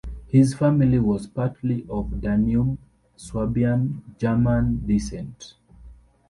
His family was partly of Danube Swabian German descent.